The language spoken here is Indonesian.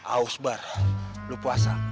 aus bar lu puasa